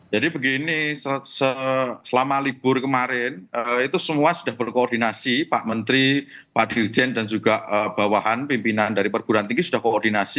jadi begini selama libur kemarin itu semua sudah berkoordinasi pak menteri pak dirjen dan juga bawahan pimpinan dari perguruan tinggi sudah koordinasi